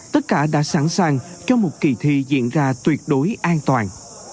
tất cả đã sẵn sàng cho một kỳ thi diễn ra tuyệt đối an toàn